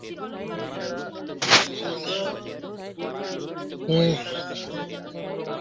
হে চুন্দর ব্যাডা।